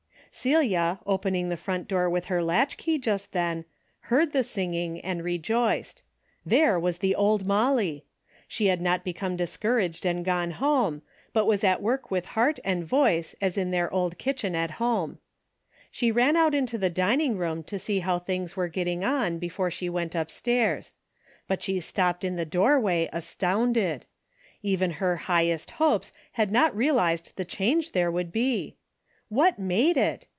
Celia, opening the front door with her latch key just then, heard the singing and rejoiced. There was the old Molly. She had not be come discouraged and gone home, but was at work with heart and voice as in their old kitchen at home. She ran out into the din ing room to see how things were getting on before she went upstairs. But she stopped in the doorway astounded. Even her highest A DAILY EATE.^^ 147 hopes had not realized the change there would be. What made it